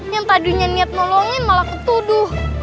yang tadinya niat nolongin malah ketuduh